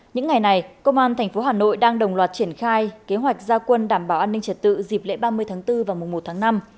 những ngày này công an tp hà nội đang đồng loạt triển khai kế hoạch gia quân đảm bảo an ninh trật tự dịp lễ ba mươi tháng bốn và mùa một tháng năm